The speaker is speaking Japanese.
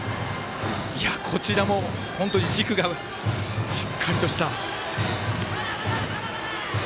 こちらも本当に軸がしっかりとした。